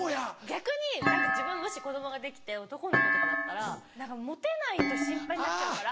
逆に自分もし子供ができて男の子とかだったら何かモテないと心配になっちゃうから。